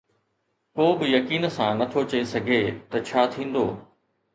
ڪو به يقين سان نٿو چئي سگهي ته ڇا ٿيندو.